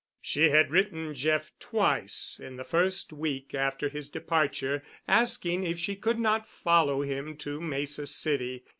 She had written Jeff twice in the first week after his departure asking if she could not follow him to Mesa City.